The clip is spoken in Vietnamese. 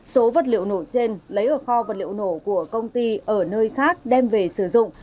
số vật liệu nổ trên lấy ở kho vật liệu nổ của công ty ở nơi khác đem về sử dụng